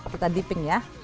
kita dipping ya